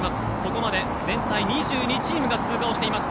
ここまで全体２２チームが通過しています。